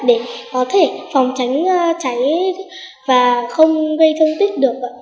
để có thể phòng tránh cháy và không gây thương tích được ạ